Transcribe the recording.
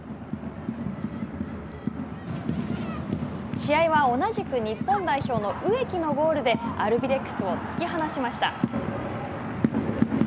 試合は、同じく日本代表の植木のゴールでアルビレックスを突き放しました。